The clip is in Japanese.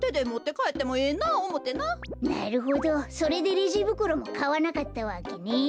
なるほどそれでレジぶくろもかわなかったわけね。